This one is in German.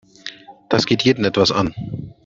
Das geht jeden etwas an.